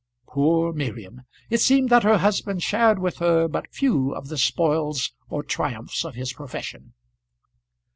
Poor Miriam! It seemed that her husband shared with her but few of the spoils or triumphs of his profession.